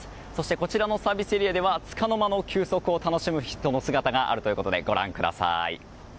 こちらのサービスエリアではつかの間の休息を楽しむ人の姿があるということでご覧ください。